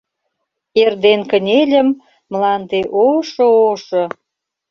Эрден кынельым: Мланде ошо-ошо!